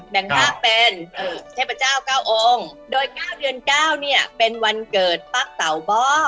แบ่งภาคเป็นเทพเจ้าเก้าองค์โดยเก้าเดือนเก้าเป็นวันเกิดปักเต่าบ่อ